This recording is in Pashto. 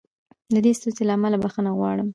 د دې ستونزې له امله بښنه غواړم.